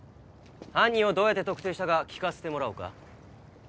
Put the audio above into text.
犯人をどうやって特定したか聞かせてもらおうか。